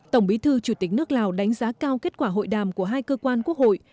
tổng bí thư chủ tịch nước lào đánh giá cao kết quả hội đàm của hai cơ quan quốc hội